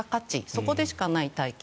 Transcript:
そこでしかない体験。